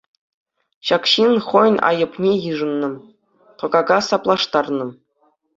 Ҫак ҫын хӑйӗн айӑпне йышӑннӑ, тӑкака саплаштарнӑ.